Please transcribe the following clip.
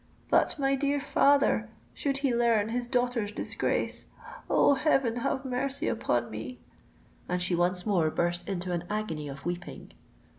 But my dear father—should he learn his daughter's disgrace—Oh! heaven, have mercy upon me!" And she once more burst into an agony of weeping.